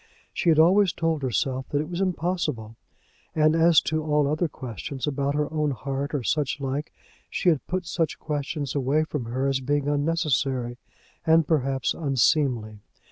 She had always told herself that it was impossible; and as to all other questions, about her own heart or such like, she had put such questions away from her as being unnecessary, and, perhaps, unseemly.